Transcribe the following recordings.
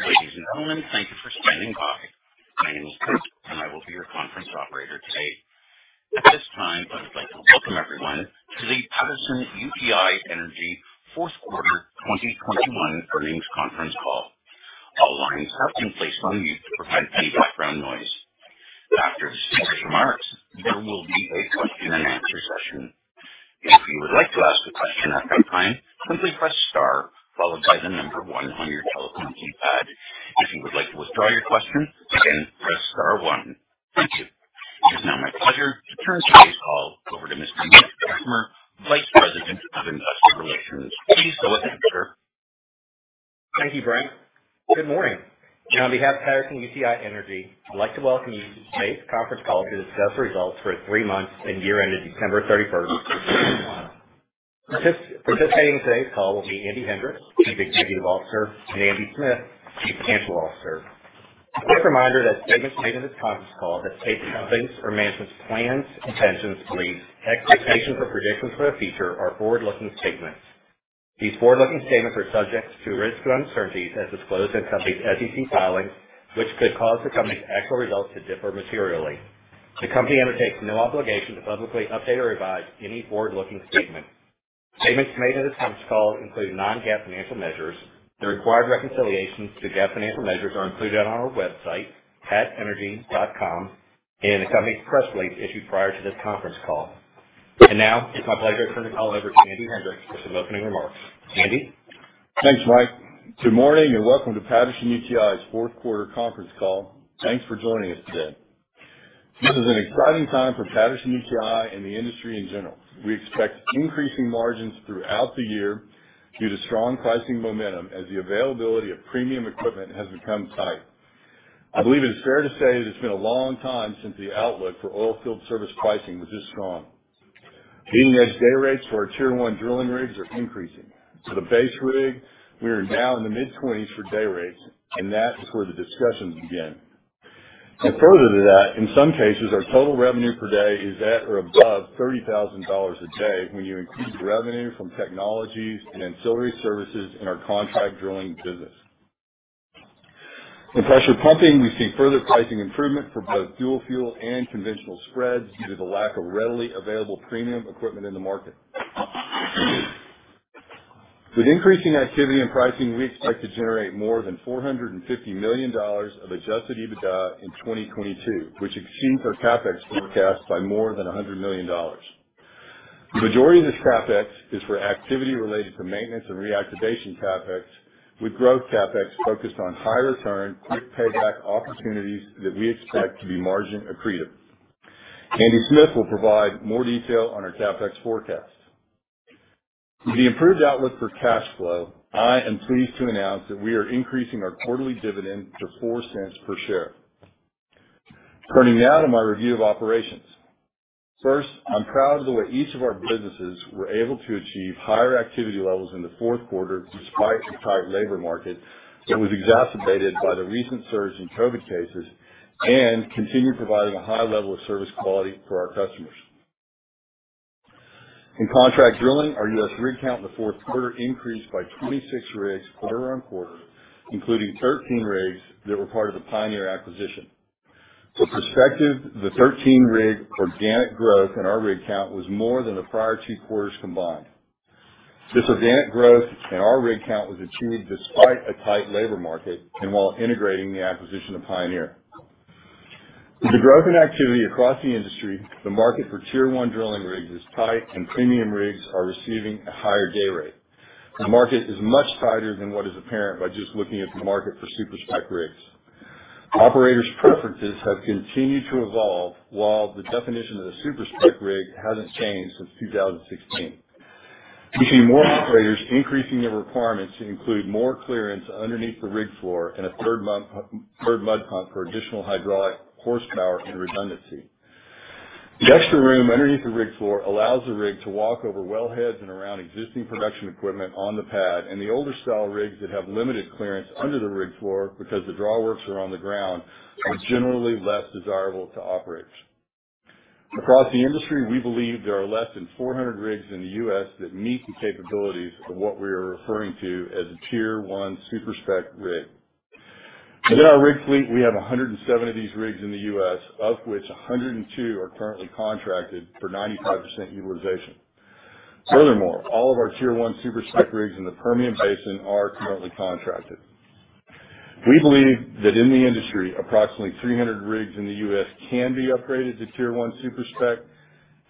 Ladies and gentlemen, thank you for standing by. My name is Chris, and I will be your conference operator today. At this time, I would like to welcome everyone to the Patterson-UTI Energy fourth quarter 2021 earnings conference call. All lines have been placed on mute to prevent any background noise. After the speaker's remarks, there will be a question and answer session. If you would like to ask a question at that time, simply press star followed by the number 1 on your telephone keypad. If you would like to withdraw your question, again, press star 1. Thank you. It is now my pleasure to turn today's call over to Mr. Mike Drickamer, Vice President of Investor Relations. Please go ahead, sir. Thank you, Brent. Good morning, and on behalf of Patterson-UTI Energy, I'd like to welcome you to today's conference call to discuss the results for the three months and year ended December 31, 2021. Participating in today's call will be Andy Hendricks, Chief Executive Officer, and Andy Smith, Chief Financial Officer. A quick reminder that statements made in this conference call that take the company's or management's plans, intentions, beliefs, expectations, or predictions for the future are forward-looking statements. These forward-looking statements are subject to risks and uncertainties as disclosed in the company's SEC filings, which could cause the company's actual results to differ materially. The company undertakes no obligation to publicly update or revise any forward-looking statement. Statements made in this conference call include non-GAAP financial measures. The required reconciliations to GAAP financial measures are included on our website, patenergy.com, and in the company's press release issued prior to this conference call. Now, it's my pleasure to turn the call over to Andy Hendricks for some opening remarks. Andy? Thanks, Mike. Good morning, and welcome to Patterson-UTI's fourth quarter conference call. Thanks for joining us today. This is an exciting time for Patterson-UTI and the industry in general. We expect increasing margins throughout the year due to strong pricing momentum as the availability of premium equipment has become tight. I believe it's fair to say that it's been a long time since the outlook for oilfield service pricing was this strong. Being that dayrates for our Tier 1 drilling rigs are increasing. For the base rig, we are now in the mid-20s for dayrates, and that is where the discussions begin. Further to that, in some cases, our total revenue per day is at or above $30,000 a day when you include the revenue from technologies and ancillary services in our contract drilling business. In pressure pumping, we've seen further pricing improvement for both dual fuel and conventional spreads due to the lack of readily available premium equipment in the market. With increasing activity and pricing, we expect to generate more than $450 million of adjusted EBITDA in 2022, which exceeds our CapEx forecast by more than $100 million. The majority of this CapEx is for activity related to maintenance and reactivation CapEx, with growth CapEx focused on high return, quick payback opportunities that we expect to be margin accretive. Andy Smith will provide more detail on our CapEx forecast. With the improved outlook for cash flow, I am pleased to announce that we are increasing our quarterly dividend to $0.04 per share. Turning now to my review of operations. I'm proud of the way each of our businesses were able to achieve higher activity levels in the fourth quarter despite the tight labor market that was exacerbated by the recent surge in COVID cases and continued providing a high level of service quality for our customers. In contract drilling, our U.S. rig count in the fourth quarter increased by 26 rigs quarter-over-quarter, including 13 rigs that were part of the Pioneer acquisition. For perspective, the 13-rig organic growth in our rig count was more than the prior two quarters combined. This organic growth in our rig count was achieved despite a tight labor market and while integrating the acquisition of Pioneer. With the growth in activity across the industry, the market for Tier 1 drilling rigs is tight, and premium rigs are receiving a higher day rate. The market is much tighter than what is apparent by just looking at the market for super-spec rigs. Operators' preferences have continued to evolve while the definition of a super-spec rig hasn't changed since 2016. We see more operators increasing their requirements to include more clearance underneath the rig floor and a third mud pump for additional hydraulic horsepower and redundancy. The extra room underneath the rig floor allows the rig to walk over wellheads and around existing production equipment on the pad, and the older style rigs that have limited clearance under the rig floor because the drawworks are on the ground are generally less desirable to operators. Across the industry, we believe there are less than 400 rigs in the U.S. that meet the capabilities of what we are referring to as a Tier 1 super-spec rig. Within our rig fleet, we have 107 of these rigs in the U.S., of which 102 are currently contracted for 95% utilization. Furthermore, all of our Tier 1 super-spec rigs in the Permian Basin are currently contracted. We believe that in the industry, approximately 300 rigs in the U.S. can be upgraded to Tier 1 super-spec.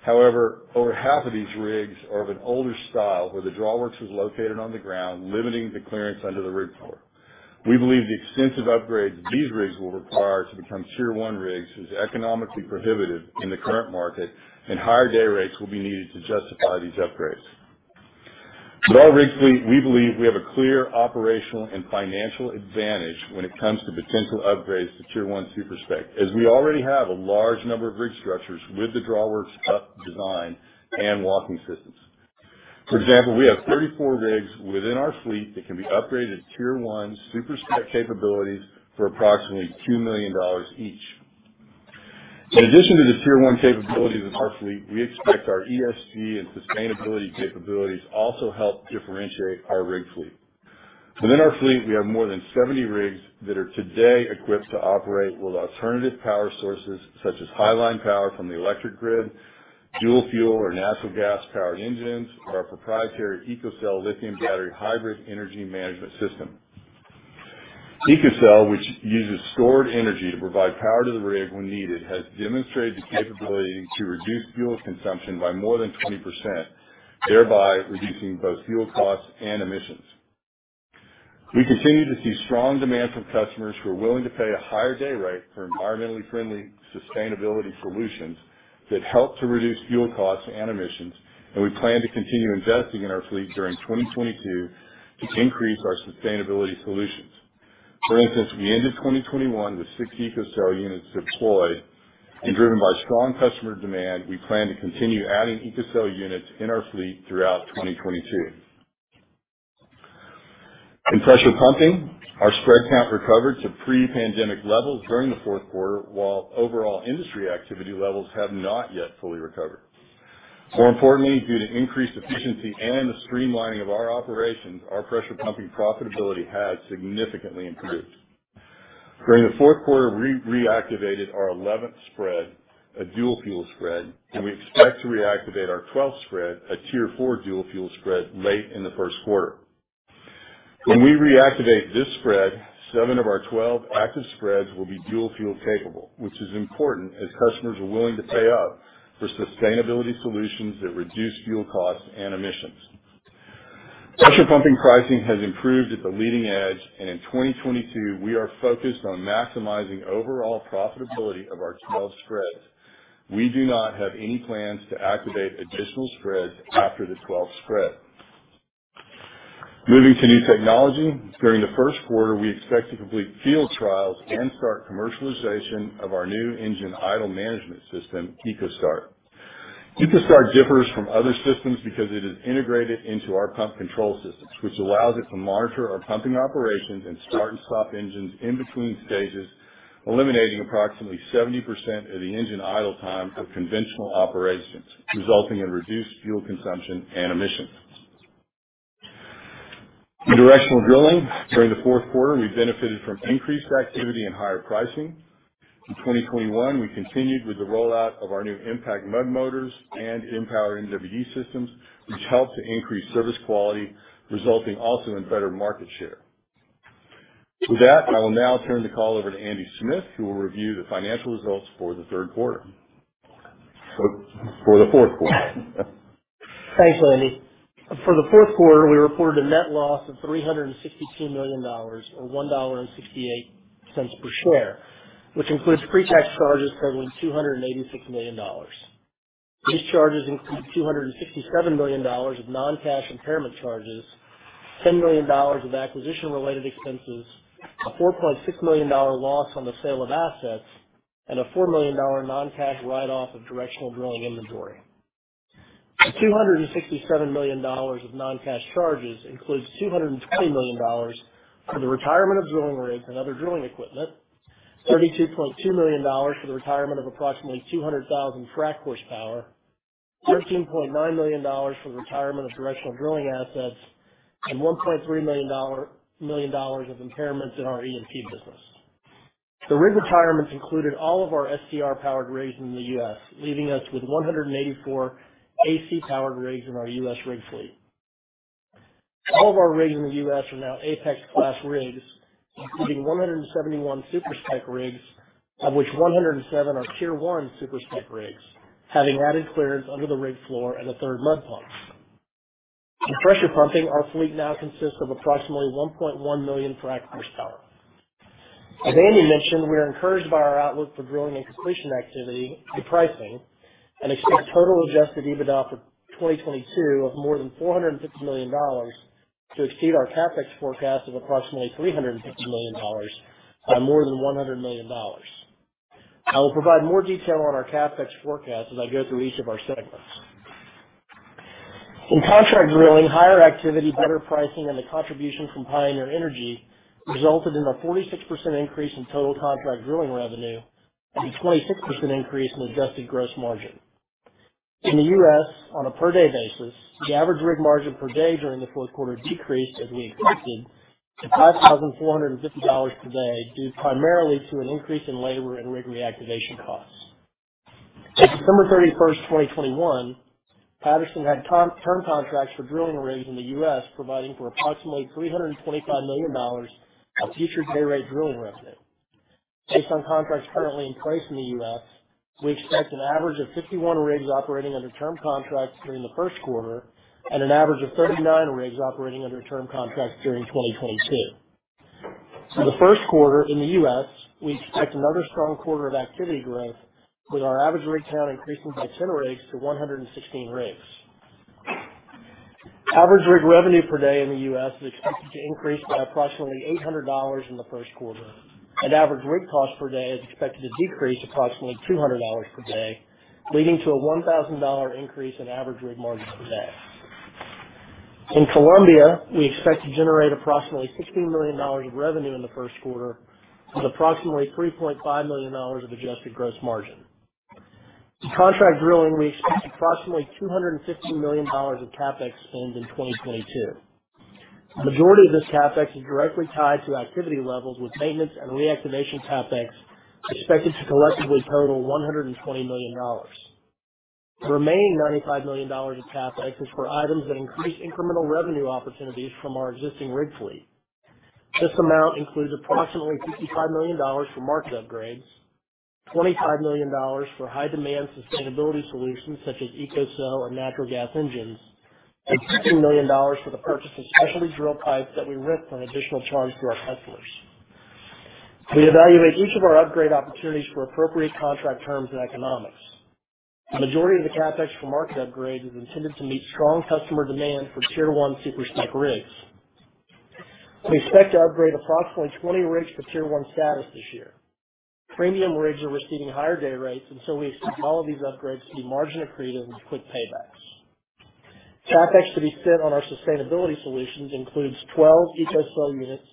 However, over half of these rigs are of an older style where the drawworks was located on the ground, limiting the clearance under the rig floor. We believe the extensive upgrades these rigs will require to become Tier 1 rigs is economically prohibitive in the current market, and higher day rates will be needed to justify these upgrades. With our rig fleet, we believe we have a clear operational and financial advantage when it comes to potential upgrades to Tier 1 super-spec, as we already have a large number of rig structures with the drawworks up design and walking systems. For example, we have 34 rigs within our fleet that can be upgraded Tier 1 super-spec capabilities for approximately $2 million each. In addition to the Tier 1 capabilities of our fleet, we expect our ESG and sustainability capabilities also help differentiate our rig fleet. Within our fleet, we have more than 70 rigs that are today equipped to operate with alternative power sources such as highline power from the electric grid, dual fuel or natural gas-powered engines, or our proprietary EcoCell lithium battery hybrid energy management system. EcoCell, which uses stored energy to provide power to the rig when needed, has demonstrated the capability to reduce fuel consumption by more than 20%, thereby reducing both fuel costs and emissions. We continue to see strong demand from customers who are willing to pay a higher day rate for environmentally friendly sustainability solutions that help to reduce fuel costs and emissions. We plan to continue investing in our fleet during 2022 to increase our sustainability solutions. For instance, at the end of 2021, there's 6 EcoCell units deployed, and driven by strong customer demand, we plan to continue adding EcoCell units in our fleet throughout 2022. In pressure pumping, our spread count recovered to pre-pandemic levels during the fourth quarter, while overall industry activity levels have not yet fully recovered. More importantly, due to increased efficiency and the streamlining of our operations, our pressure pumping profitability has significantly improved. During the fourth quarter, we reactivated our 11th spread, a dual fuel spread, and we expect to reactivate our 12th spread, a Tier 4 dual fuel spread, late in the first quarter. When we reactivate this spread, 7 of our 12 active spreads will be dual fuel capable, which is important as customers are willing to pay up for sustainability solutions that reduce fuel costs and emissions. Pressure pumping pricing has improved at the leading edge, and in 2022, we are focused on maximizing overall profitability of our 12 spreads. We do not have any plans to activate additional spreads after the 12th spread. Moving to new technology. During the first quarter, we expect to complete field trials and start commercialization of our new engine idle management system, EcoStart. EcoStart differs from other systems because it is integrated into our pump control systems, which allows it to monitor our pumping operations and start and stop engines in between stages, eliminating approximately 70% of the engine idle time of conventional operations, resulting in reduced fuel consumption and emissions. In directional drilling, during the fourth quarter, we benefited from increased activity and higher pricing. In 2021, we continued with the rollout of our new impact mud motors and Empower MWD systems, which help to increase service quality, resulting also in better market share. With that, I will now turn the call over to Andy Smith, who will review the financial results for the fourth quarter. Thanks, Andy. For the fourth quarter, we reported a net loss of $362 million or $1.68 per share, which includes pre-tax charges totaling $286 million. These charges include $267 million of non-cash impairment charges, $10 million of acquisition-related expenses, a $4.6 million loss on the sale of assets, and a $4 million non-cash write-off of directional drilling inventory. The $267 million of non-cash charges includes $220 million for the retirement of drilling rigs and other drilling equipment, $32.2 million for the retirement of approximately 200,000 frac horsepower, $13.9 million for the retirement of directional drilling assets, and $1.3 million of impairments in our E&P business. The rig retirements included all of our SCR powered rigs in the U.S., leaving us with 184 AC powered rigs in our U.S. rig fleet. All of our rigs in the U.S. are now APEX® class rigs, including 171 SuperSpec rigs, of which 107 are Tier 1 SuperSpec rigs, having added clearance under the rig floor and a third mud pump. In pressure pumping, our fleet now consists of approximately 1.1 million frac horsepower. As Andy mentioned, we are encouraged by our outlook for drilling and completion activity and pricing and expect total adjusted EBITDA for 2022 of more than $450 million to exceed our CapEx forecast of approximately $350 million by more than $100 million. I will provide more detail on our CapEx forecast as I go through each of our segments. In contract drilling, higher activity, better pricing, and the contribution from Pioneer Energy resulted in a 46% increase in total contract drilling revenue and a 26% increase in adjusted gross margin. In the U.S., on a per day basis, the average rig margin per day during the fourth quarter decreased as we expected to $5,450 per day, due primarily to an increase in labor and rig reactivation costs. As of December 31, 2021, Patterson had term contracts for drilling rigs in the U.S., providing for approximately $325 million of future day rate drilling revenue. Based on contracts currently in place in the U.S., we expect an average of 51 rigs operating under term contracts during the first quarter and an average of 39 rigs operating under term contracts during 2022. For the first quarter in the U.S., we expect another strong quarter of activity growth with our average rig count increasing by 10 rigs to 116 rigs. Average rig revenue per day in the U.S. is expected to increase by approximately $800 in the first quarter. Average rig cost per day is expected to decrease approximately $200 per day, leading to a $1,000 increase in average rig margin per day. In Colombia, we expect to generate approximately $60 million of revenue in the first quarter, with approximately $3.5 million of adjusted gross margin. In contract drilling, we expect approximately $250 million of CapEx spend in 2022. Majority of this CapEx is directly tied to activity levels with maintenance and reactivation CapEx expected to collectively total $120 million. The remaining $95 million of CapEx is for items that increase incremental revenue opportunities from our existing rig fleet. This amount includes approximately $55 million for market upgrades, $25 million for high demand sustainability solutions such as EcoCell or natural gas engines, and $16 million for the purchase of specialty drill pipes that we rent on additional charge to our customers. We evaluate each of our upgrade opportunities for appropriate contract terms and economics. The majority of the CapEx for market upgrade is intended to meet strong customer demand for Tier 1 super-spec rigs. We expect to upgrade approximately 20 rigs to Tier 1 status this year. Premium rigs are receiving higher day rates, and so we expect all of these upgrades to be margin accretive with quick paybacks. CapEx to be spent on our sustainability solutions includes 12 EcoCell units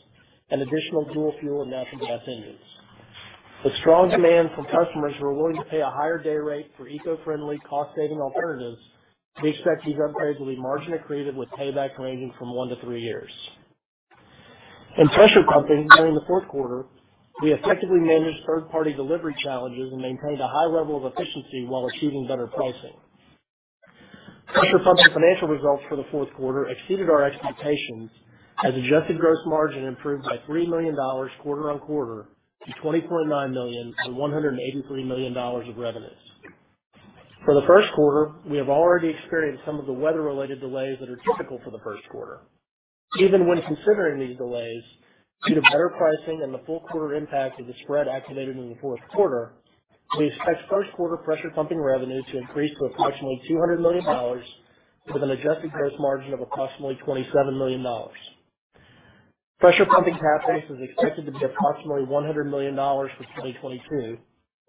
and additional dual fuel and natural gas engines. With strong demand from customers who are willing to pay a higher day rate for eco-friendly cost-saving alternatives, we expect these upgrades will be margin accretive with payback ranging from 1-3 years. In pressure pumping, during the fourth quarter, we effectively managed third-party delivery challenges and maintained a high level of efficiency while achieving better pricing. Pressure pumping financial results for the fourth quarter exceeded our expectations as adjusted gross margin improved by $3 million quarter-over-quarter to $20.9 million on $183 million of revenues. For the first quarter, we have already experienced some of the weather-related delays that are typical for the first quarter. Even when considering these delays, due to better pricing and the full quarter impact of the spread activated in the fourth quarter, we expect first quarter pressure pumping revenue to increase to approximately $200 million with an adjusted gross margin of approximately $27 million. Pressure pumping CapEx is expected to be approximately $100 million for 2022,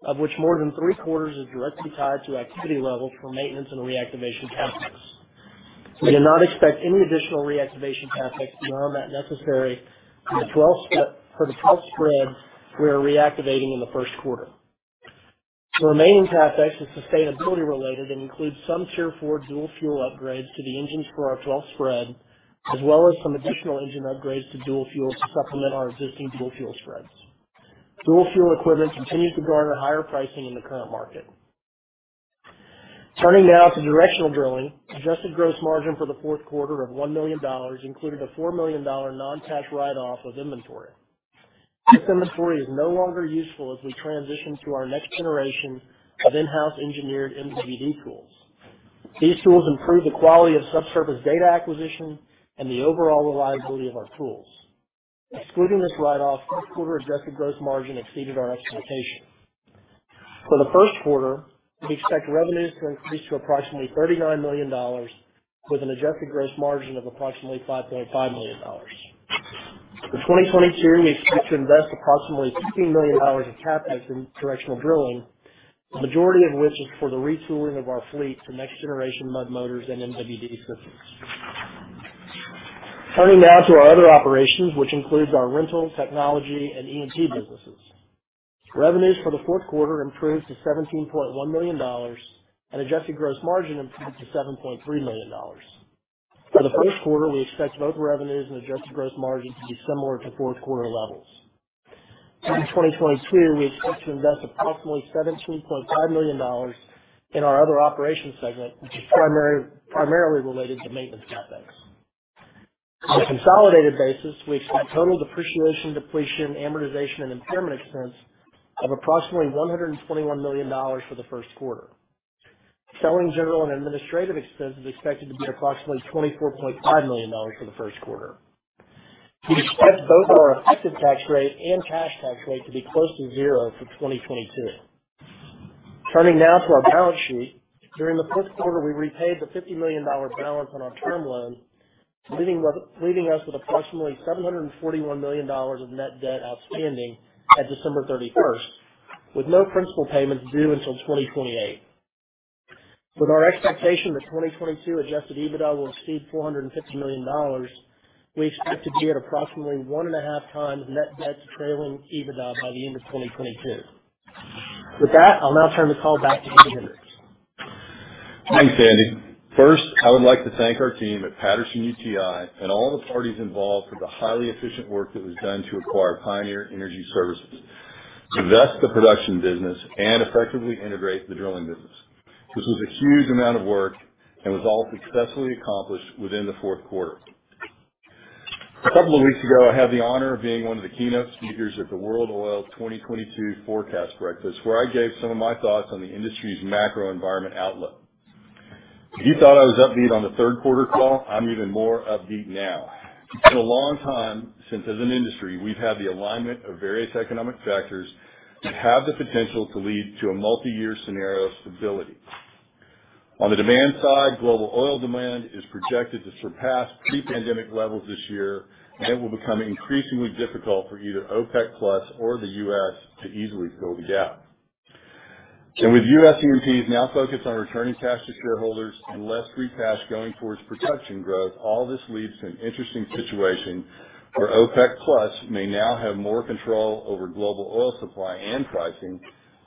of which more than three-quarters is directly tied to activity levels for maintenance and reactivation CapEx. We do not expect any additional reactivation CapEx beyond that necessary for the 12 spreads we are reactivating in the first quarter. The remaining CapEx is sustainability related and includes some Tier 4 dual fuel upgrades to the engines for our 12 spreads, as well as some additional engine upgrades to dual fuel to supplement our existing dual fuel spreads. Dual fuel equipment continues to garner higher pricing in the current market. Turning now to directional drilling. Adjusted gross margin for the fourth quarter of $1 million included a $4 million non-cash write-off of inventory. This inventory is no longer useful as we transition to our next generation of in-house engineered MWD tools. These tools improve the quality of subsurface data acquisition and the overall reliability of our tools. Excluding this write-off, first quarter adjusted gross margin exceeded our expectation. For the first quarter, we expect revenues to increase to approximately $39 million with an adjusted gross margin of approximately $5.5 million. For 2022, we expect to invest approximately $15 million of CapEx in directional drilling, the majority of which is for the retooling of our fleet to next generation mud motors and MWD systems. Turning now to our other operations, which includes our rental, technology, and E&P businesses. Revenues for the fourth quarter improved to $17.1 million and adjusted gross margin improved to $7.3 million. For the first quarter, we expect both revenues and adjusted gross margin to be similar to fourth quarter levels. In 2022, we expect to invest approximately $17.5 million in our other operations segment, which is primarily related to maintenance CapEx. On a consolidated basis, we expect total depreciation, depletion, amortization, and impairment expense of approximately $121 million for the first quarter. Selling, general, and administrative expense is expected to be approximately $24.5 million for the first quarter. We expect both our effective tax rate and cash tax rate to be close to zero for 2022. Turning now to our balance sheet. During the first quarter, we repaid the $50 million balance on our term loan, leaving us with approximately $741 million of net debt outstanding at December 31, with no principal payments due until 2028. With our expectation that 2022 adjusted EBITDA will exceed $450 million, we expect to be at approximately 1.5 times net debt to trailing EBITDA by the end of 2022. With that, I'll now turn the call back to Andy Hendricks. Thanks, Andy. First, I would like to thank our team at Patterson-UTI and all the parties involved for the highly efficient work that was done to acquire Pioneer Energy Services, divest the production business, and effectively integrate the drilling business. This was a huge amount of work and was all successfully accomplished within the fourth quarter. A couple of weeks ago, I had the honor of being one of the keynote speakers at the World Oil 2022 Forecast Breakfast, where I gave some of my thoughts on the industry's macro environment outlook. If you thought I was upbeat on the third quarter call, I'm even more upbeat now. It's been a long time since, as an industry, we've had the alignment of various economic factors that have the potential to lead to a multi-year scenario of stability. On the demand side, global oil demand is projected to surpass pre-pandemic levels this year, and it will become increasingly difficult for either OPEC+ or the U.S. to easily fill the gap. With U.S. E&Ps now focused on returning cash to shareholders and less free cash going towards production growth, all this leads to an interesting situation where OPEC+ may now have more control over global oil supply and pricing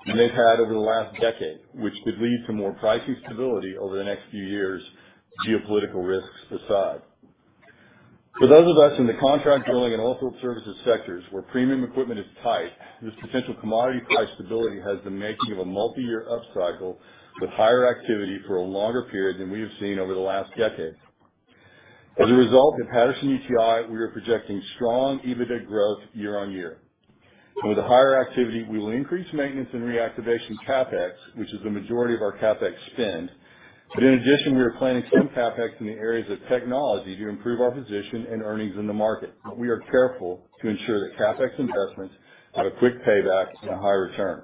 than they've had over the last decade, which could lead to more pricing stability over the next few years, geopolitical risks aside. For those of us in the contract drilling and oilfield services sectors where premium equipment is tight, this potential commodity price stability has the making of a multiyear upcycle with higher activity for a longer period than we have seen over the last decade. As a result, at Patterson-UTI, we are projecting strong EBITDA growth year-over-year. With the higher activity, we will increase maintenance and reactivation CapEx, which is the majority of our CapEx spend. In addition, we are planning some CapEx in the areas of technology to improve our position and earnings in the market, but we are careful to ensure that CapEx investments have a quick payback and a high return.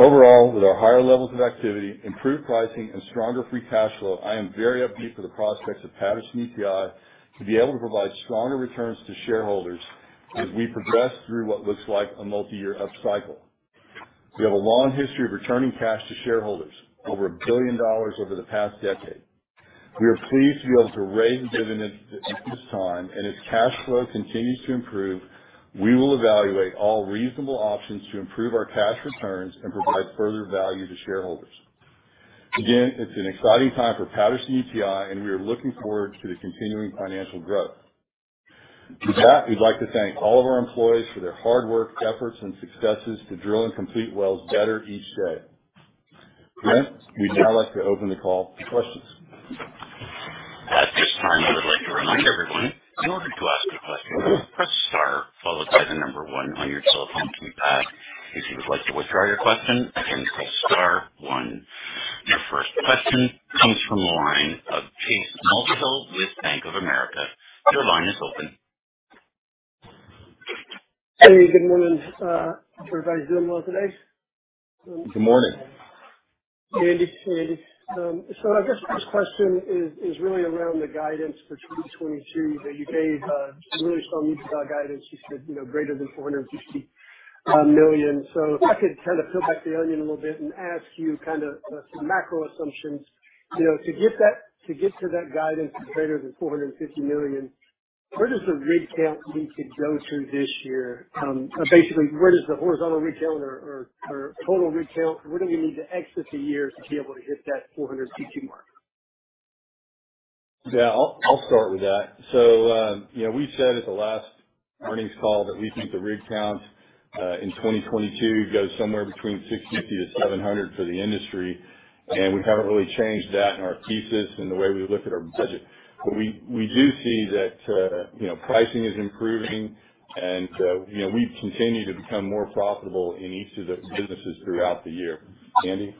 Overall, with our higher levels of activity, improved pricing, and stronger free cash flow, I am very upbeat for the prospects of Patterson-UTI to be able to provide stronger returns to shareholders as we progress through what looks like a multiyear upcycle. We have a long history of returning cash to shareholders, over $1 billion over the past decade. We are pleased to be able to raise the dividend at this time, and as cash flow continues to improve, we will evaluate all reasonable options to improve our cash returns and provide further value to shareholders. Again, it's an exciting time for Patterson-UTI, and we are looking forward to the continuing financial growth. With that, we'd like to thank all of our employees for their hard work, efforts, and successes to drill and complete wells better each day. With that, we'd now like to open the call to questions. At this time, I would like to remind everyone, in order to ask a question, please press star followed by one on your telephone keypad. If you would like to withdraw your question, again, press star one. Your first question comes from the line of Chase Mulvehill with Bank of America. Your line is open. Hey, good morning, hope everybody's doing well today. Good morning. Andy, it's Andy. I guess first question is really around the guidance for 2022 that you gave, some really strong EBITDA guidance. You said, you know, greater than $450 million. If I could kind of peel back the onion a little bit and ask you kind of some macro assumptions. You know, to get that, to get to that guidance of greater than $450 million, where does the rig count need to go to this year? Basically, where does the horizontal rig count or total rig count, where do we need to exit the year to be able to hit that 450 mark? Yeah, I'll start with that. You know, we said at the last earnings call that we think the rig count in 2022 goes somewhere between 650-700 for the industry, and we haven't really changed that in our thesis in the way we look at our budget. We do see that, you know, pricing is improving, and, you know, we continue to become more profitable in each of the businesses throughout the year. Andy?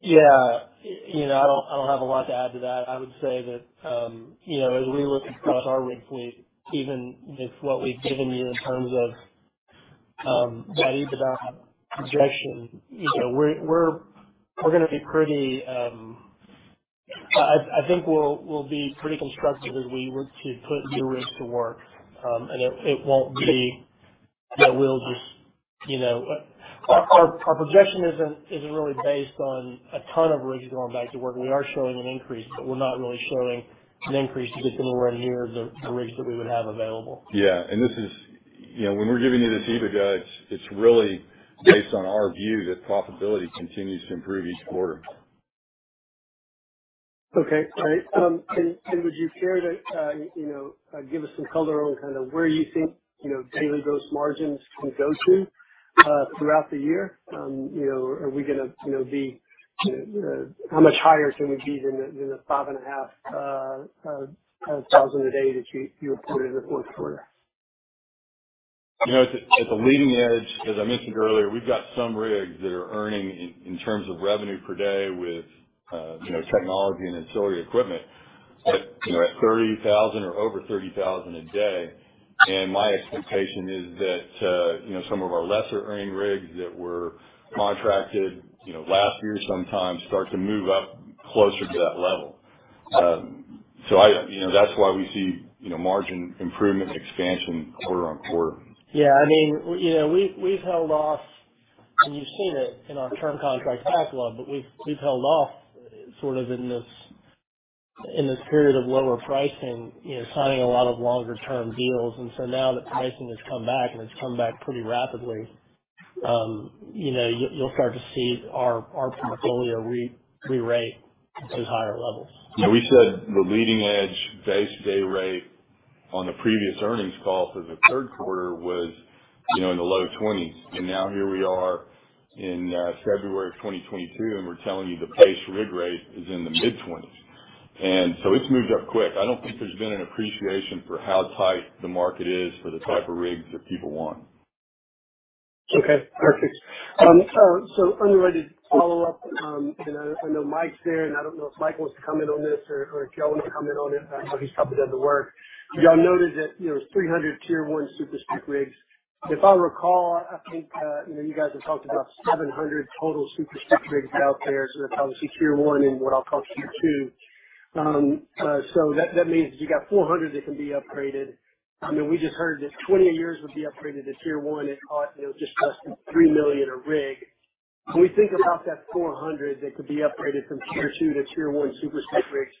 Yeah. You know, I don't have a lot to add to that. I would say that, you know, as we look across our rig fleet, even with what we've given you in terms of, that EBITDA projection, you know, we're gonna be pretty. I think we'll be pretty constructive as we work to put new rigs to work. It won't be that we'll just, you know. Our projection isn't really based on a ton of rigs going back to work. We are showing an increase, but we're not really showing an increase to get anywhere near the rigs that we would have available. Yeah. This is, you know, when we're giving you this EBITDA, it's really based on our view that profitability continues to improve each quarter. Okay. All right. Would you care to, you know, give us some color on kind of where you think, you know, daily gross margins can go to throughout the year? You know, are we gonna, you know, be how much higher can we be than the $5,500 a day that you reported in the fourth quarter? You know, at the leading edge, as I mentioned earlier, we've got some rigs that are earning in terms of revenue per day with you know, technology and ancillary equipment at you know, at $30,000 or over $30,000 a day. My expectation is that you know, some of our lesser earning rigs that were contracted you know, last year sometime start to move up closer to that level. I you know, that's why we see you know, margin improvement and expansion quarter-over-quarter. Yeah. I mean, you know, we've held off, and you've seen it in our term contract backlog, but we've held off sort of in this period of lower pricing, you know, signing a lot of longer term deals. Now that pricing has come back and it's come back pretty rapidly, you know, you'll start to see our portfolio rerate to higher levels. Yeah, we said the leading edge base day rate on the previous earnings call for the third quarter was, you know, in the low 20s. Now here we are in February 2022, and we're telling you the base rig rate is in the mid-20s. It's moved up quick. I don't think there's been an appreciation for how tight the market is for the type of rigs that people want. Okay. Perfect. Unrelated follow-up. I know Mike's there, and I don't know if Mike wants to comment on this or if y'all want to comment on it. I know he's probably done the work. Y'all noted that, you know, there's 300 Tier 1 super-spec rigs. If I recall, I think, you know, you guys have talked about 700 total super-spec rigs out there. That's obviously Tier 1 and what I'll call Tier 2. That means you got 400 that can be upgraded. I mean, we just heard that 20 a year would be upgraded to Tier 1. It was just costing $3 million a rig. When we think about that 400 that could be upgraded from Tier 2 to Tier 1 super-spec rigs,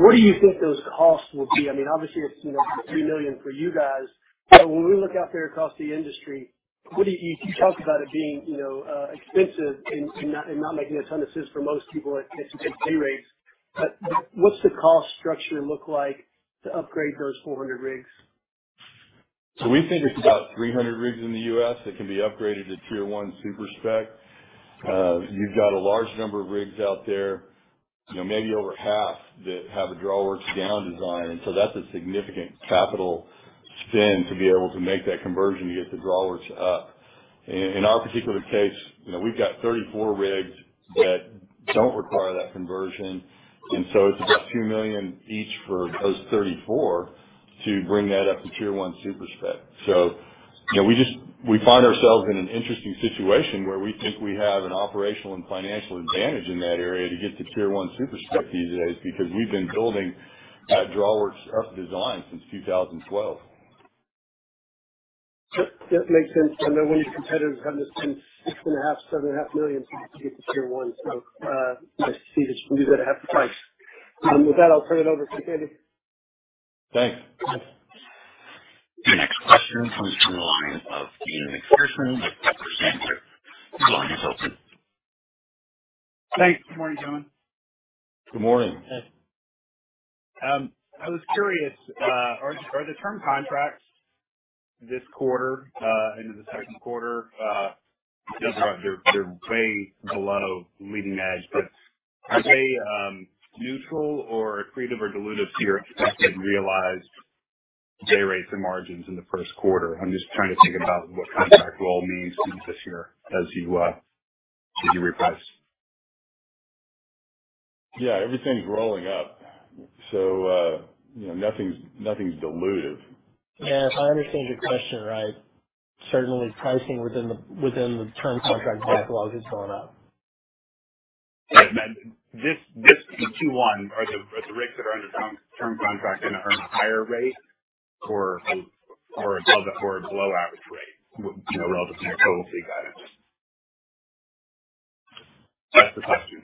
what do you think those costs will be? I mean, obviously, it's, you know, $3 million for you guys, but when we look out there across the industry, what do you talk about it being, you know, expensive and not making a ton of sense for most people at today's dayrates. What's the cost structure look like to upgrade those 400 rigs? We think it's about 300 rigs in the U.S. that can be upgraded to Tier 1 super-spec. You've got a large number of rigs out there, you know, maybe over half that have a drawworks down design. That's a significant capital spend to be able to make that conversion to get the drawworks up. In our particular case, you know, we've got 34 rigs that don't require that conversion, and so it's about $2 million each for those 34 to bring that up to Tier 1 super-spec. You know, we just, we find ourselves in an interesting situation where we think we have an operational and financial advantage in that area to get to Tier 1 super-spec these days because we've been building drawworks up design since 2012. That makes sense. I know one of your competitors having to spend $6.5 million-$7.5 million to get to Tier 1, so nice to see that you can do that at half the price. With that, I'll turn it over to Andy. Thanks. Thanks. Your next question comes from the line of Ian Macpherson with Piper Sandler. Your line is open. Thanks. Good morning, John. Good morning. I was curious, are the term contracts this quarter into the second quarter, no doubt they're way below leading edge, but are they neutral or accretive or dilutive to your expected realized dayrates and margins in the first quarter? I'm just trying to think about what contract roll means to this year as you reprice. Yeah, everything's rolling up, so, you know, nothing's dilutive. Yeah, if I understand your question right, certainly pricing within the term contract book log is going up. Yeah. This Q1, are the rigs that are under term contract gonna earn a higher rate or above or below average rate, you know, relative to your total fleet guidance? That's the question.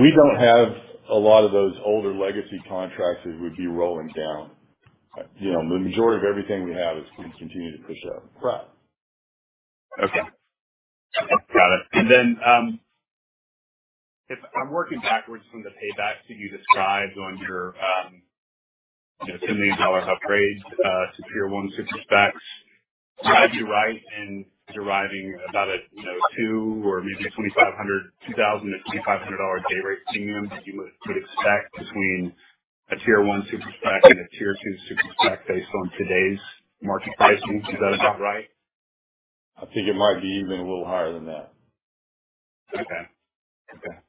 We don't have a lot of those older legacy contracts that would be rolling down. You know, the majority of everything we have is gonna continue to push up. Right. Okay. Got it. If I'm working backwards from the payback that you described on your, you know, $10 million upgrade to Tier 1 super-specs, did I do right in deriving about a, you know, $2,000-$2,500 day rate premium that you would expect between a Tier 1 super-spec and a Tier 2 super-spec based on today's market pricing? Is that about right? I think it might be even a little higher than that. Okay.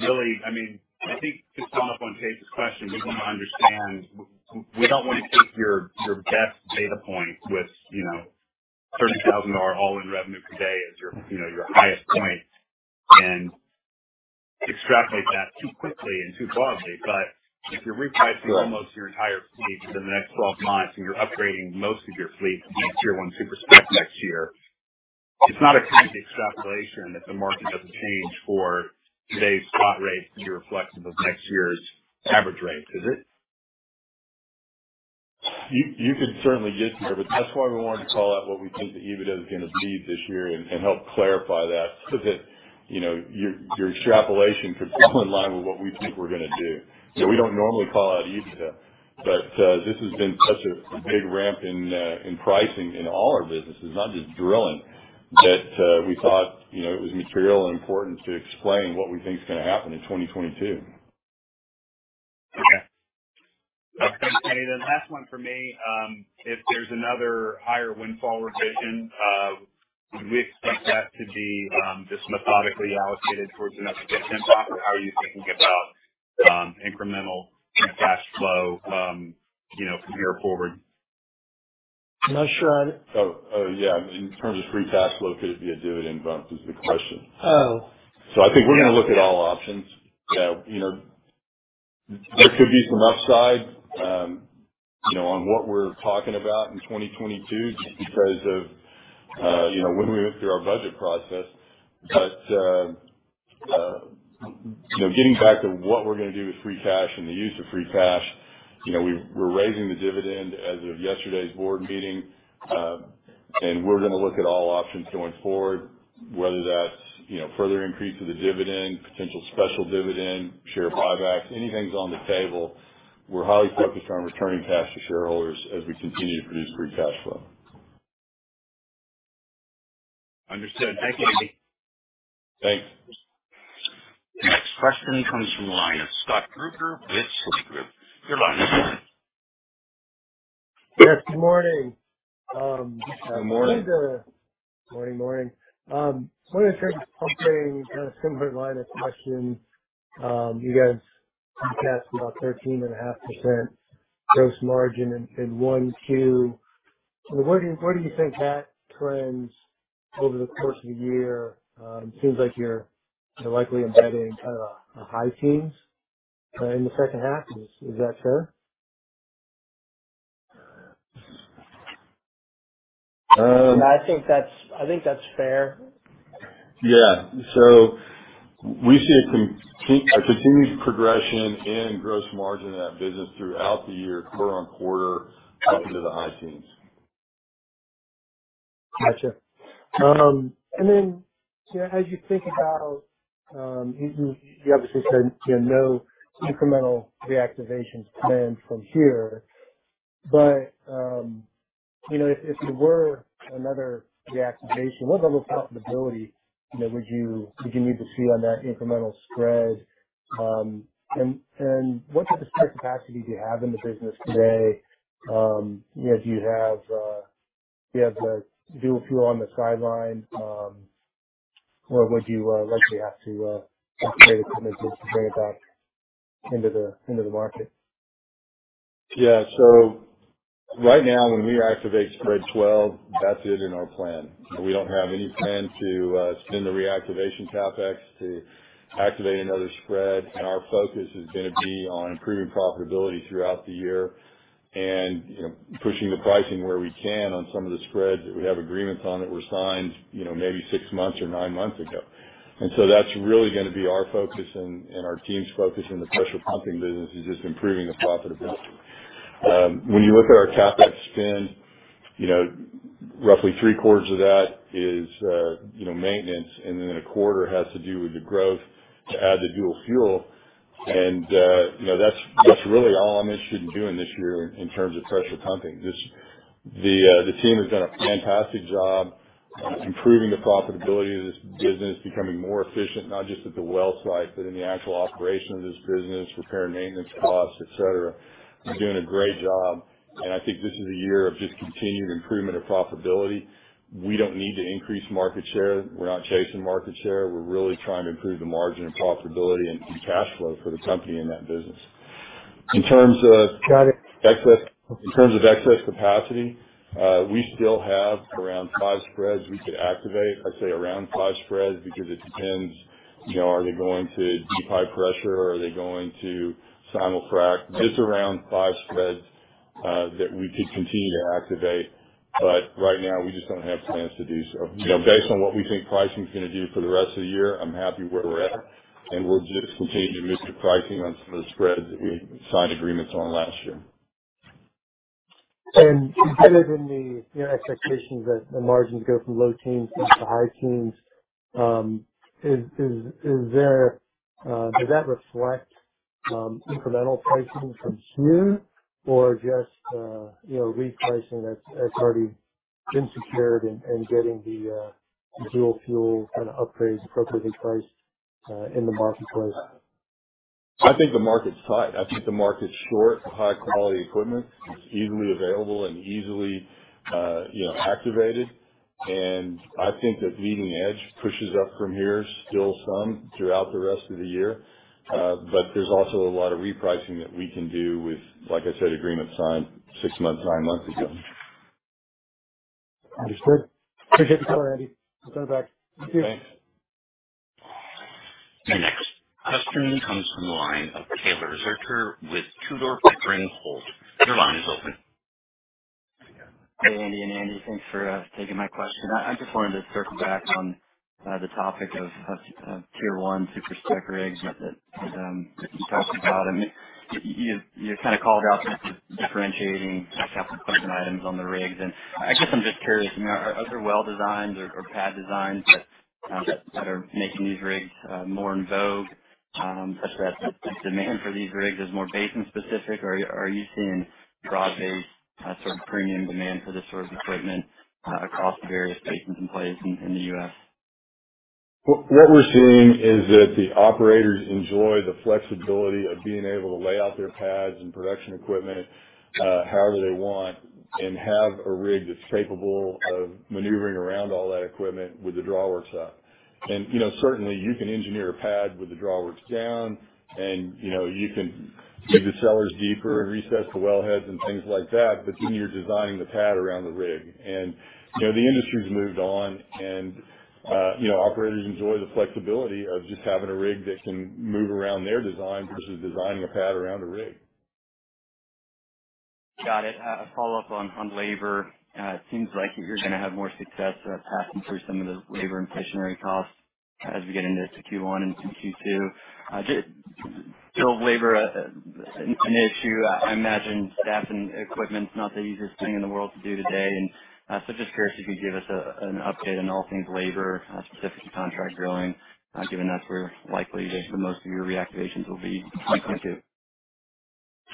Really, I mean, I think just following up on Chase Mulvehill's question, we want to understand we don't want to take your best data point with, you know, $30,000 all-in revenue per day as your, you know, highest point and extrapolate that too quickly and too broadly. If you're repricing almost your entire fleet for the next 12 months and you're upgrading most of your fleet to be Tier 1 super-spec next year, it's not a crazy extrapolation if the market doesn't change for today's spot rates to be reflective of next year's average rates, is it? You could certainly get there, but that's why we wanted to call out what we think the EBITDA is gonna be this year and help clarify that so that, you know, your extrapolation could fall in line with what we think we're gonna do. We don't normally call out EBITDA, but this has been such a big ramp in pricing in all our businesses, not just drilling, that we thought, you know, it was material and important to explain what we think is gonna happen in 2022. Okay. The last one for me, if there's another higher windfall revision, would we expect that to be, just methodically allocated towards an EBITDA bump, or how are you thinking about, incremental, you know, cash flow, you know, from here forward? I'm not sure I- Oh, yeah. In terms of free cash flow, could it be a dividend bump? Is the question. Oh. I think we're gonna look at all options. You know, there could be some upside, you know, on what we're talking about in 2022 just because of, you know, when we went through our budget process. You know, getting back to what we're gonna do with free cash and the use of free cash, you know, we're raising the dividend as of yesterday's board meeting, and we're gonna look at all options going forward, whether that's, you know, further increase of the dividend, potential special dividend, share buybacks, anything's on the table. We're highly focused on returning cash to shareholders as we continue to produce free cash flow. Understood. Thank you, Andy. Thanks. The next question comes from the line of Scott Gruber with Citigroup. Your line is open. Yes, good morning. Good morning. Morning. I wanted to kind of bump a kind of similar line of questioning. You guys forecast about 13.5% gross margin in Q1, Q2. Where do you think that trends over the course of the year? Seems like you're likely embedding kind of a high teens in the second half. Is that fair? Um. I think that's fair. We see continued progression in gross margin in that business throughout the year, quarter-over-quarter, up into the high teens%. Gotcha. You know, as you think about, you obviously said, you know, no incremental reactivation plans from here. You know, if there were another reactivation, what level of profitability, you know, would you need to see on that incremental spread? What type of spare capacity do you have in the business today? You know, do you have the dual fuel on the sideline? Would you likely have to make a commitment to bring it back into the market? Right now, when we reactivate spread 12, that's it in our plan. We don't have any plans to spend the reactivation CapEx to activate another spread. Our focus is gonna be on improving profitability throughout the year and, you know, pushing the pricing where we can on some of the spreads that we have agreements on that were signed, you know, maybe six months or nine months ago. That's really gonna be our focus and our team's focus in the pressure pumping business is just improving the profitability. When you look at our CapEx spend, you know, roughly three-quarters of that is, you know, maintenance, and then a quarter has to do with the growth to add the dual fuel. You know, that's really all I'm interested in doing this year in terms of pressure pumping. Just. The team has done a fantastic job improving the profitability of this business, becoming more efficient, not just at the well site, but in the actual operation of this business, repair and maintenance costs, et cetera. They're doing a great job, and I think this is a year of just continued improvement of profitability. We don't need to increase market share. We're not chasing market share. We're really trying to improve the margin of profitability and cash flow for the company in that business. In terms of Got it. In terms of excess capacity, we still have around five spreads we could activate. I say around five spreads because it depends, you know, are they going to deep high pressure or are they going to simulfrac. Just around five spreads that we could continue to activate. Right now, we just don't have plans to do so. You know, based on what we think pricing is gonna do for the rest of the year, I'm happy where we're at, and we'll just continue to fix the pricing on some of the spreads that we signed agreements on last year. Embedded in the, you know, expectations that the margins go from low teens into the high teens, does that reflect incremental pricing from here or just, you know, repricing that's already been secured and getting the dual fuel kind of upgrades appropriately priced in the marketplace? I think the market's tight. I think the market's short of high quality equipment that's easily available and easily, you know, activated. I think the leading edge pushes up from here still some throughout the rest of the year. There's also a lot of repricing that we can do with, like I said, agreements signed six months, nine months ago. Understood. Great getting the color, Andy. I'll send it back. Thanks. The next question comes from the line of Taylor Zurcher with Tudor, Pickering, Holt. Your line is open. Hey, Andy and Andy. Thanks for taking my question. I just wanted to circle back on the topic of Tier 1 super-spec rigs that you talked about. You kind of called out differentiating capital equipment items on the rigs. I guess I'm just curious, you know, are there other well designs or pad designs that are making these rigs more in vogue such that the demand for these rigs is more basin specific? Or are you seeing broad-based sort of premium demand for this sort of equipment across the various basins and plays in the U.S.? What we're seeing is that the operators enjoy the flexibility of being able to lay out their pads and production equipment however they want and have a rig that's capable of maneuvering around all that equipment with the drawworks up. You know, certainly you can engineer a pad with the drawworks down and you know, you can dig the cellars deeper and recess the wellheads and things like that, but then you're designing the pad around the rig. You know, the industry's moved on and you know, operators enjoy the flexibility of just having a rig that can move around their design versus designing a pad around a rig. Got it. A follow-up on labor. It seems like you're gonna have more success passing through some of the labor and stationary costs as we get into Q1 and Q2. Just still labor an issue? I imagine staffing equipment's not the easiest thing in the world to do today. Just curious if you could give us an update on all things labor specific to contract drilling, given that's where likely the most of your reactivations will be in 2022.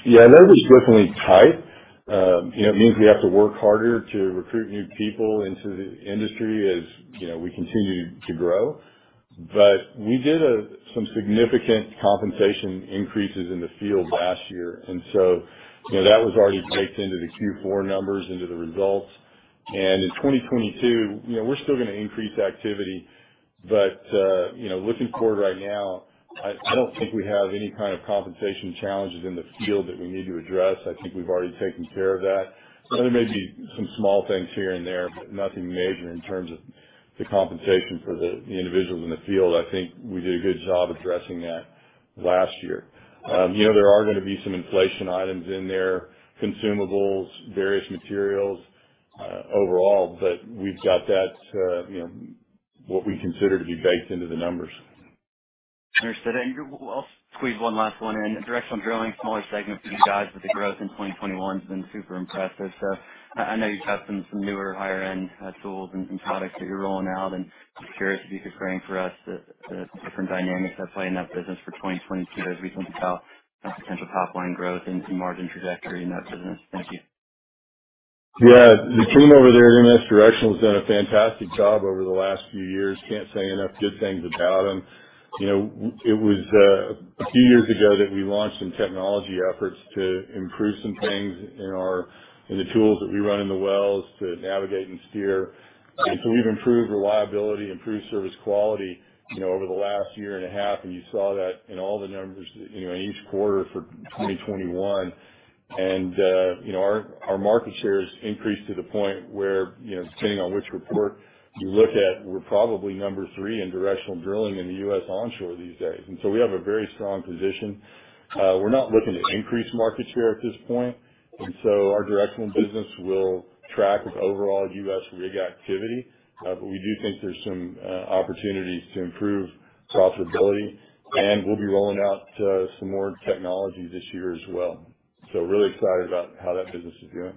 Yeah. Labor's definitely tight. You know, it means we have to work harder to recruit new people into the industry as, you know, we continue to grow. We did some significant compensation increases in the field last year, and so, you know, that was already baked into the Q4 numbers, into the results. In 2022, you know, we're still gonna increase activity. You know, looking forward right now, I don't think we have any kind of compensation challenges in the field that we need to address. I think we've already taken care of that. There may be some small things here and there, but nothing major in terms of the compensation for the individuals in the field. I think we did a good job addressing that last year. You know, there are gonna be some inflation items in there, consumables, various materials, overall, but we've got that, you know, what we consider to be baked into the numbers. Understood. I'll squeeze one last one in. Directional drilling, smaller segment for you guys, but the growth in 2021's been super impressive. I know you've tested some newer higher end tools and products that you're rolling out. Just curious if you could frame for us the different dynamics that play in that business for 2022. Is there reason to tell a potential top line growth into margin trajectory in that business? Thank you. Yeah. The team over there in MS Directional has done a fantastic job over the last few years. Can't say enough good things about them. You know, it was a few years ago that we launched some technology efforts to improve some things in our tools that we run in the wells to navigate and steer. We've improved reliability, improved service quality, you know, over the last year and a half, and you saw that in all the numbers, you know, in each quarter for 2021. You know, our market share has increased to the point where, you know, depending on which report you look at, we're probably number three in directional drilling in the U.S. onshore these days. We have a very strong position. We're not looking to increase market share at this point. Our directional business will track with overall U.S. rig activity. We do think there's some opportunities to improve profitability, and we'll be rolling out some more technologies this year as well. Really excited about how that business is doing.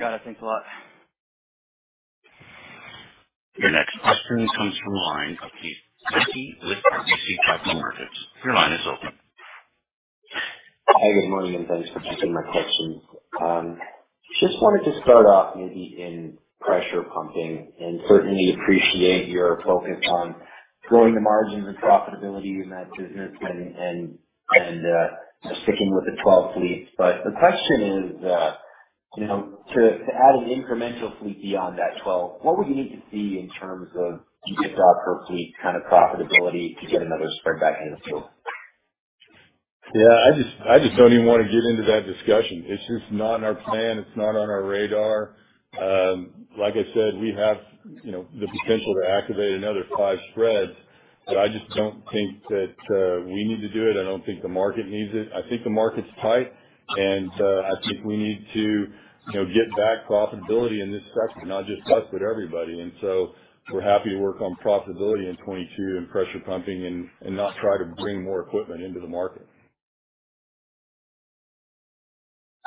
Got it. Thanks a lot. Your next question comes from the line of Keith Mackey with RBC Capital Markets. Your line is open. Hi, good morning, and thanks for taking my questions. Just wanted to start off maybe in pressure pumping, and certainly appreciate your focus on growing the margins and profitability in that business and sticking with the 12 fleets. The question is, you know, to add an incremental fleet beyond that 12, what would you need to see in terms of $ per fleet kind of profitability to get another spread back in the field? I just don't even wanna get into that discussion. It's just not in our plan. It's not on our radar. Like I said, we have, you know, the potential to activate another 5 spreads, but I just don't think that we need to do it. I don't think the market needs it. I think the market's tight and I think we need to, you know, get back to profitability in this structure, not just us, but everybody. We're happy to work on profitability in 2022 in pressure pumping and not try to bring more equipment into the market.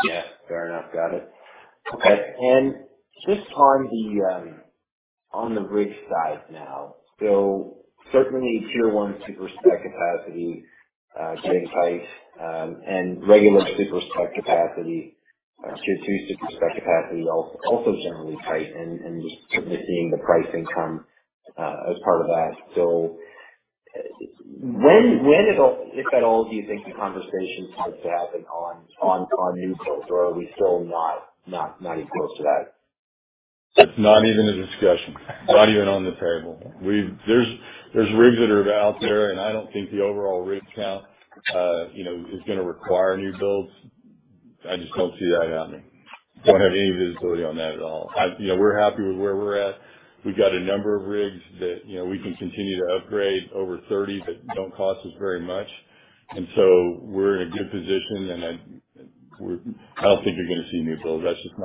Yeah. Fair enough. Got it. Okay. Just on the rig side now. Certainly Tier 1 super-spec capacity staying tight, and regular super-spec capacity, Tier 2 super-spec capacity also generally tight and just sort of seeing the price income as part of that. When at all, if at all, do you think the conversation starts to happen on new builds? Or are we still not even close to that? It's not even a discussion. Not even on the table. There's rigs that are out there, and I don't think the overall rig count, you know, is gonna require new builds. I just don't see that happening. Don't have any visibility on that at all. You know, we're happy with where we're at. We've got a number of rigs that, you know, we can continue to upgrade over 30 that don't cost us very much. We're in a good position, and I don't think you're gonna see new builds. That's just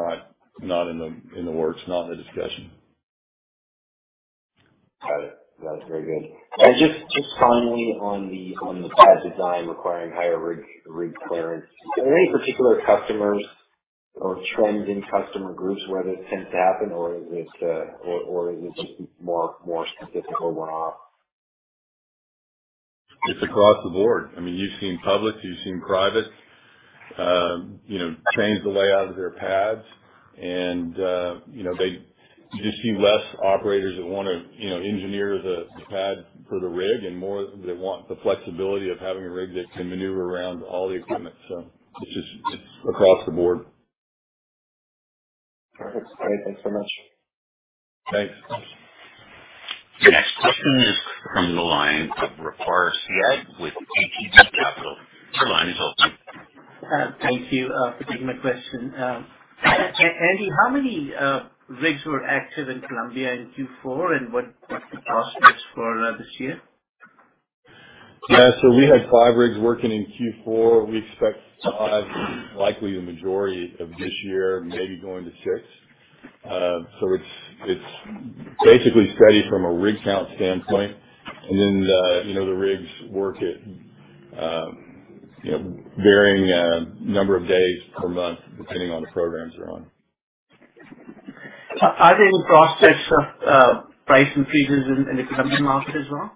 not in the works, not in the discussion. Got it. Very good. Just finally on the pad design requiring higher rig clearance. Are there any particular customers or trends in customer groups where this tends to happen? Or is this just more statistical one-off? It's across the board. I mean, you've seen public, you've seen private, you know, change the layout of their pads and, you know, You just see less operators that wanna, you know, engineer the pad for the rig and more that want the flexibility of having a rig that can maneuver around all the equipment. It's just, it's across the board. Perfect. Great. Thanks so much. Thanks. Your next question is from the line of Waqar Syed with ATB Capital. Your line is open. Thank you for taking my question. Andy, how many rigs were active in Colombia in Q4, and what's the prospects for this year? Yeah. We had 5 rigs working in Q4. We expect 5 likely the majority of this year, maybe going to 6. It's basically steady from a rig count standpoint. The rigs work at varying number of days per month, depending on the programs they're on. Are there any prospects of pricing freezes in the Colombian market as well?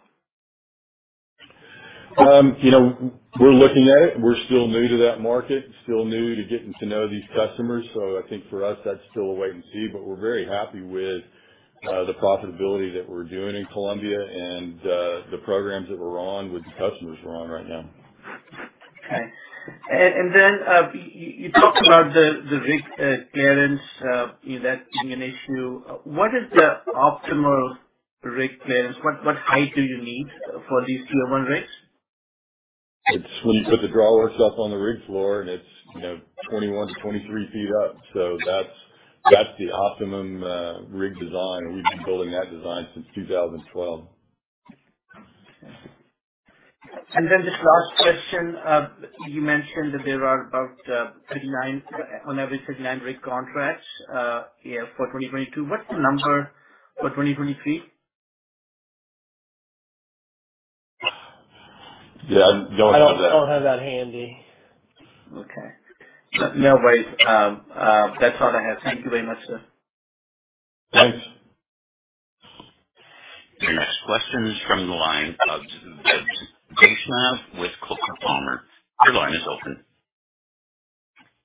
You know, we're looking at it. We're still new to that market, still new to getting to know these customers. I think for us, that's still a wait and see. We're very happy with the profitability that we're doing in Colombia and the programs that we're on with the customers we're on right now. Okay. You talked about the rig clearance, you know, that being an issue. What is the optimal rig clearance? What height do you need for these 201 rigs? It's when you put the drawworks up on the rig floor, and it's, you know, 21-23 feet up. That's the optimum rig design. We've been building that design since 2012. Okay. Just last question. You mentioned that there are about 39 rig contracts on average, yeah, for 2022. What's the number for 2023? Yeah, I don't have that. I don't have that handy. Okay. No worries. That's all I have. Thank you very much, sir. Thanks. Your next question is from the line of Vebs Vaishnav with Goldman Sachs. Your line is open.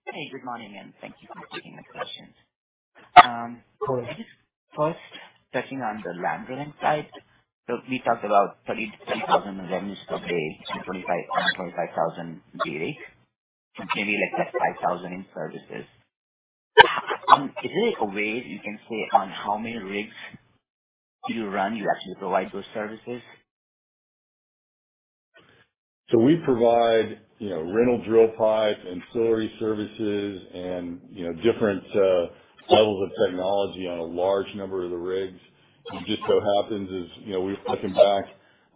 Hey, good morning, and thank you for taking the questions. First, touching on the land drilling side. We talked about $30-$30,000 revenues per day and $25,000 day rate, and maybe like 5,000 in services. Is there a way you can say on how many rigs do you run you actually provide those services? We provide, you know, rental drill pipe, ancillary services and, you know, different levels of technology on a large number of the rigs. It just so happens, as you know, we were looking back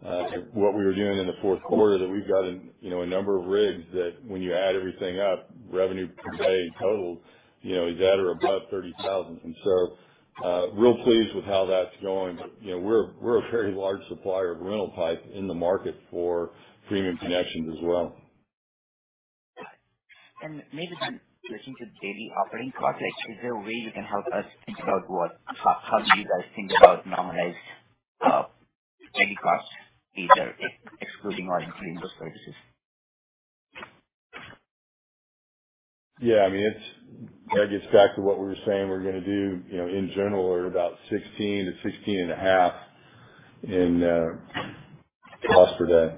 at what we were doing in the fourth quarter, that we've got a, you know, a number of rigs that when you add everything up, revenue per day totals, you know, is at or above $30,000. Real pleased with how that's going. You know, we're a very large supplier of rental pipe in the market for premium connections as well. Maybe then listening to the daily operating costs, like, is there a way you can help us think about how you guys think about normalized daily costs, either excluding or including those services? That gets back to what we were saying we're gonna do. You know, in general we're about $16-$16.5 in cost per day.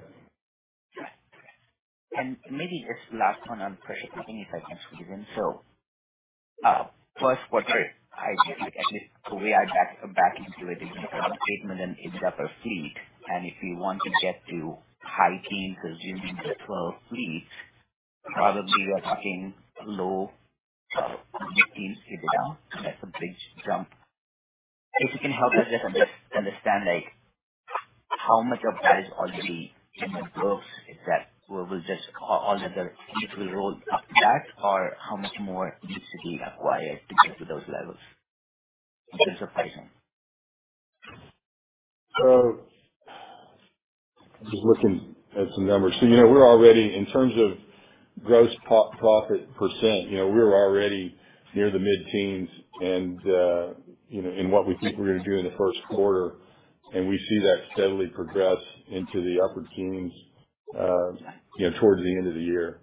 Maybe just last one on pressure pumping, if I can squeeze one in. First quarter high. Actually, the way I back into it is you have $8 million EBITDA per fleet, and if we want to get to high teens, assuming 12 fleets, probably you are talking low mid-teens EBITDA. That's a big jump. If you can help us just understand, like how much of that is already in the books. Is that. Will this all other fleets roll up that or how much more needs to be acquired to get to those levels in terms of pricing? I'm just looking at some numbers. You know, we're already in terms of gross profit percent, you know, we're already near the mid-teens% and in what we think we're gonna do in the first quarter, and we see that steadily progress into the upper teens%, you know, towards the end of the year.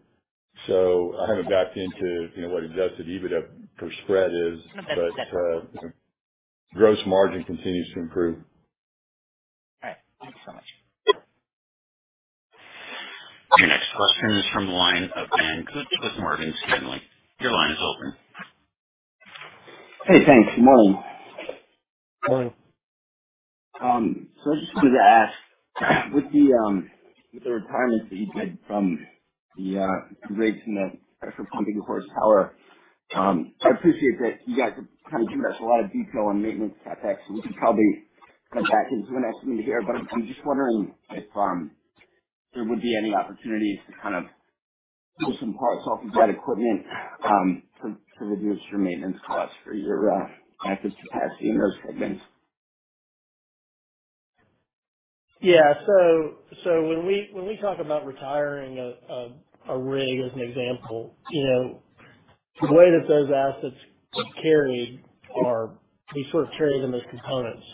I haven't backed into, you know, what adjusted EBITDA per spread is, but gross margin continues to improve. All right. Thank you so much. Your next question is from the line of Dan Kutz with Morgan Stanley. Your line is open. Hey, thanks. Good morning. Morning. I just wanted to ask with the retirements that you did from the rigs and the pressure pumping horsepower. I appreciate that you guys have kind of given us a lot of detail on maintenance CapEx, so we could probably come back into the next meeting here. But I'm just wondering if there would be any opportunities to kind of pull some parts off of that equipment to reduce your maintenance costs for your active capacity in those segments. Yeah. When we talk about retiring a rig as an example, you know, the way that those assets are carried are we sort of carry them as components.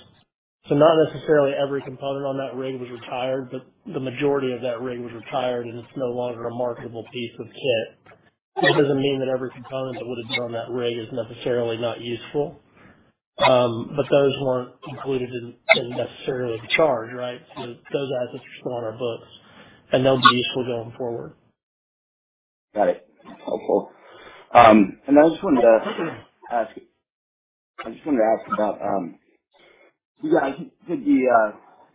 Not necessarily every component on that rig was retired, but the majority of that rig was retired, and it's no longer a marketable piece of kit. That doesn't mean that every component that would have been on that rig is necessarily not useful. Those weren't included in necessarily the charge, right? Those assets are still on our books, and they'll be useful going forward. Got it. Helpful. I just wanted to ask about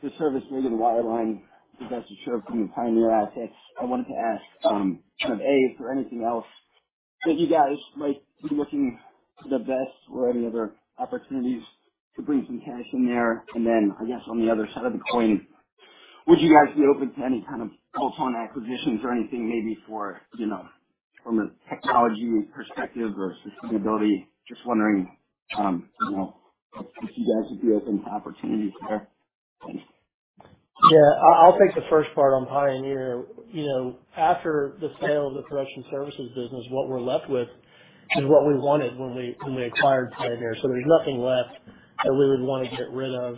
the service rig in the Wireline divestiture from the Pioneer assets. I wanted to ask kind of A for anything else that you guys might be looking to divest or any other opportunities to bring some cash in there. Then I guess on the other side of the coin, would you guys be open to any kind of bolt-on acquisitions or anything maybe for you know from a technology perspective or sustainability. Just wondering you know if you guys would be open to opportunities there. Yeah. I'll take the first part on Pioneer. You know, after the sale of the production services business, what we're left with is what we wanted when we acquired Pioneer. There's nothing left that we would want to get rid of.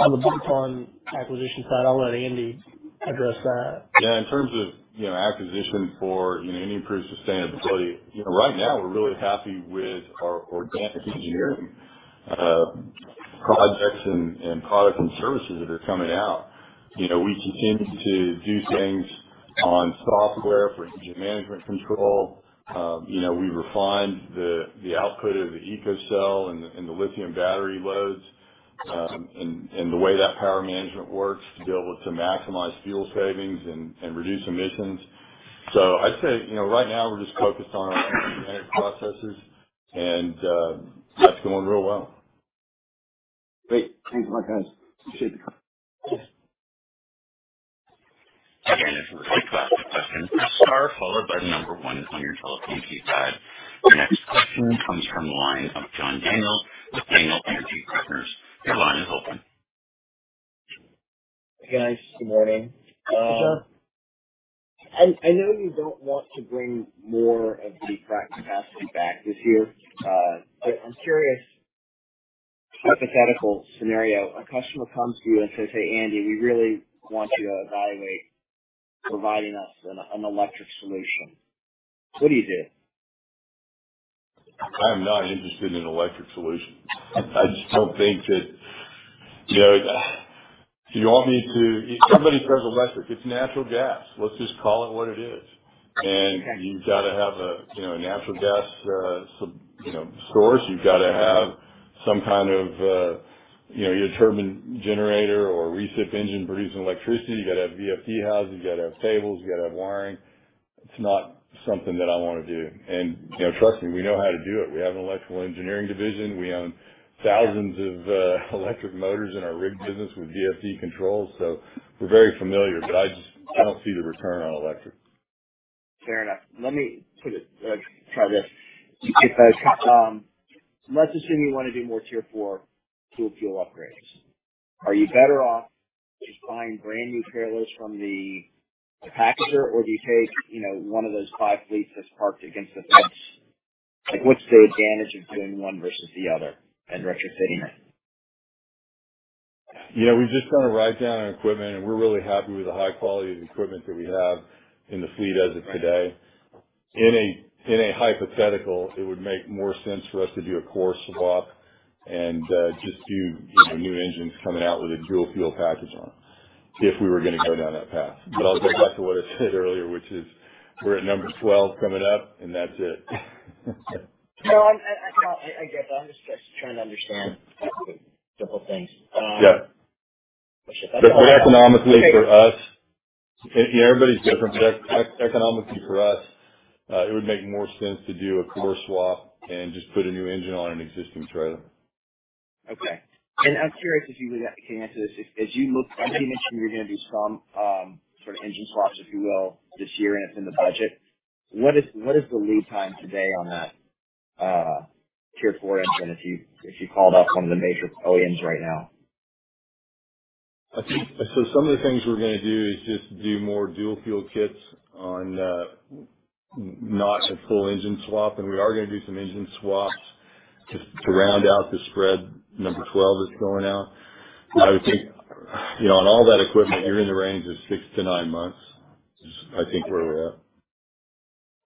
On the bolt-on acquisition side, I'll let Andy address that. Yeah. In terms of, you know, acquisition for, you know, any improved sustainability, you know, right now we're really happy with our organic engineering projects and products and services that are coming out. You know, we continue to do things on software for engine management control. You know, we refined the output of the EcoCell and the lithium battery loads, and the way that power management works to be able to maximize fuel savings and reduce emissions. I'd say, you know, right now we're just focused on our organic processes and that's going really well. Great. Thanks so much, guys. Appreciate it. Again, if you would like to ask a question, press star followed by the number one on your telephone keypad. Your next question comes from the line of John Daniel with Daniel Energy Partners. Your line is open. Hey, guys. Good morning. Hey, John. I know you don't want to bring more of the frac capacity back this year, but I'm curious, hypothetical scenario, a customer comes to you and says, "Hey, Andy, we really want you to evaluate providing us an electric solution." What do you do? I am not interested in electric solutions. I just don't think that, you know, if somebody says electric, it's natural gas. Let's just call it what it is. Okay. You've got to have a, you know, a natural gas, some, you know, source. You've gotta have some kind of a, you know, your turbine generator or recip engine producing electricity. You gotta have VFD houses, you gotta have cables, you gotta have wiring. It's not something that I wanna do. You know, trust me, we know how to do it. We have an electrical engineering division. We own thousands of electric motors in our rig business with VFD controls, so we're very familiar. But I just, I don't see the return on electric. Fair enough. Let's assume you wanna do more Tier 4 dual fuel upgrades. Are you better off just buying brand-new trailers from the packager, or do you take, you know, one of those 5 fleets that's parked against the fence? Like, what's the advantage of doing one versus the other and retrofitting it? You know, we just wanna write down our equipment, and we're really happy with the high quality of the equipment that we have in the fleet as of today. In a hypothetical, it would make more sense for us to do a core swap and just do, you know, new engines coming out with a dual fuel package on them if we were gonna go down that path. I'll go back to what I said earlier, which is we're at number 12 coming up, and that's it. No, I get that. I'm just trying to understand a couple simple things. Yeah. Which, if I Economically for us, and everybody's different, it would make more sense to do a core swap and just put a new engine on an existing trailer. Okay. I'm curious if you can answer this. As you look, Andy, you mentioned you're gonna do some sort of engine swaps, if you will, this year, and it's in the budget. What is the lead time today on that Tier 4 engine if you called up one of the major OEMs right now? Some of the things we're gonna do is just do more dual fuel kits on, not a full engine swap. We are gonna do some engine swaps to round out the spread number 12 that's going out. I would think, you know, on all that equipment, you're in the range of 6-9 months, is I think where we're at.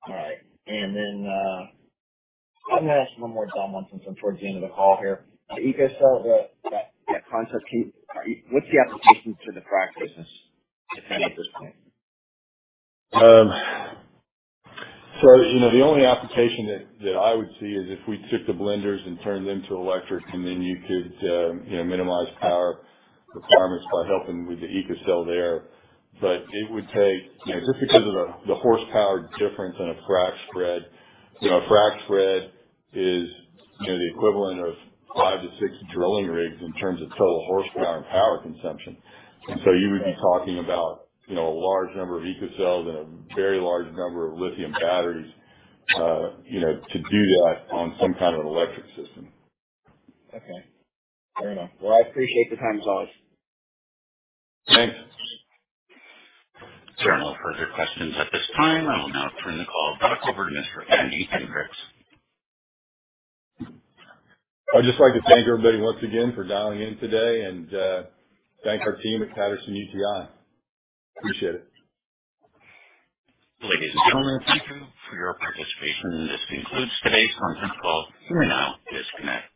All right. I'm gonna ask one more dumb one since I'm towards the end of the call here. The EcoCell, that concept, what's the application to the frac business, if any, at this point? You know, the only application that I would see is if we took the blenders and turned them to electric, and then you could, you know, minimize power requirements by helping with the EcoCell there. But it would take, you know, just because of the horsepower difference on a frac spread, you know, a frac spread is, you know, the equivalent of 5-6 drilling rigs in terms of total horsepower and power consumption. And so you would be talking about, you know, a large number of EcoCells and a very large number of lithium batteries, you know, to do that on some kind of an electric system. Okay. Fair enough. Well, I appreciate the time, guys. Thanks. There are no further questions at this time. I will now turn the call back over to Mr. Andy Hendricks. I'd just like to thank everybody once again for dialing in today and thank our team at Patterson-UTI. Appreciate it. Ladies and gentlemen, thank you for your participation. This concludes today's conference call. You may now disconnect.